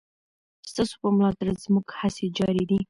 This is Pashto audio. ستاسو په ملاتړ زموږ هڅې جاري دي.